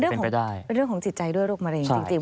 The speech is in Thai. เรื่องของจิตใจด้วยโรคมะเร็งจริง